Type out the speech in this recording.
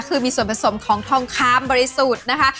คือมีส่วนผสมของทองคำบริสุทธิ์นะคะ